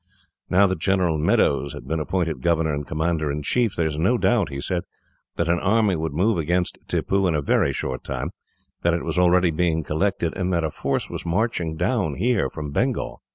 Now that General Meadows had been appointed governor and commander in chief, there was no doubt, he said, that an army would move against Tippoo in a very short time that it was already being collected, and that a force was marching down here from Bengal.